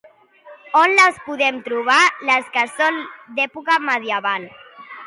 On les podem trobar les que són d'època medieval?